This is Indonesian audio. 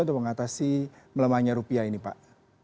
untuk mengatasi melemahnya rupiah ini pak